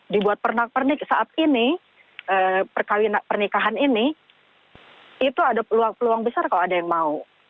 dibuat pernak pernik saat ini pernikahan ini itu ada peluang besar kalau ada yang mau